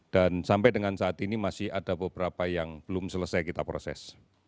dan sampai dengan saat ini masih ada beberapa yang belum selesai kita proses